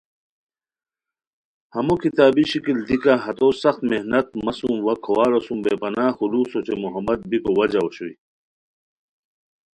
ہمو کتابی شکل دیکہ ہتو سخت محنت مہ سوم وا کھوارو سُم بے پناہ خلوص اوچے محبت بیکو وجہ اوشوئے